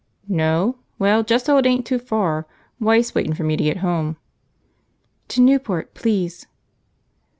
"No? Well, just so's it ain't too far. Wife's waitin' for me to get home." "To Newport. Please."